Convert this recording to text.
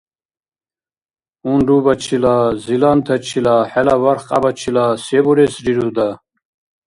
Унрубачила, зилантачила хӀела бархкьябачила се бурес рируда?